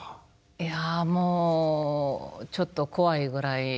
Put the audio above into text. いやもうちょっと怖いぐらいでしたね。